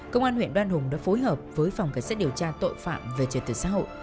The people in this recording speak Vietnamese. công an huyện đoan hùng đã phối hợp với phòng cảnh sát điều tra tội phạm về trật tự xã hội